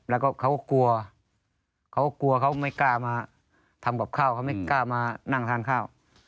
แล้วก็เขากลัวเขากลัวเขาไม่กล้ามาทำกับข้าวเขาไม่กล้ามานั่งทานข้าว